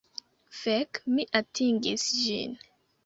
Fek! Mi atingis ĝin!